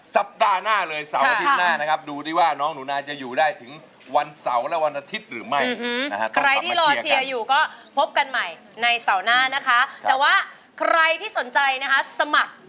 จะได้เงินล้านจากรายการหรือเปล่าเดี๋ยวเราผ่านเพลงนี้ให้ได้ก่อนนะครับ